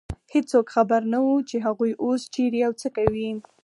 هېڅوک خبر نه و، چې هغوی اوس چېرې او څه کوي.